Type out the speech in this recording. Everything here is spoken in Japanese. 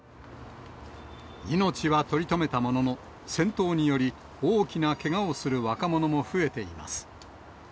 命は取り留めたものの、戦闘により大きなけがをする若者も増えています。